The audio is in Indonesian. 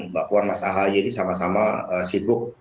mbak puan dan mas ahaya ini sama sama sibuk